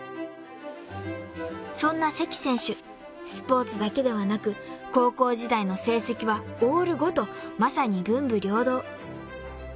［そんな関選手スポーツだけではなく高校時代の成績はオール５とまさに文武両道］